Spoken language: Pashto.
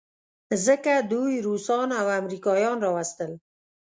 ځکه دوی روسان او امریکایان راوستل.